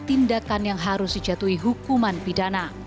tindakan yang harus dijatuhi hukuman pidana